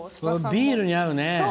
ビールに合うね。